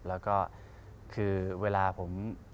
แล้วก็คือเวลาผม